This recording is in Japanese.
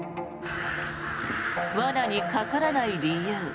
罠にかからない理由。